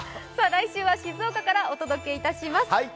来週は、静岡からお届けします。